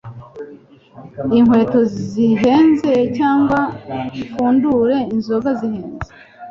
inkweto zihenze cyangwa mpfundure inzoga zihenze